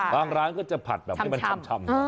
ร้านก็จะผัดแบบให้มันชำ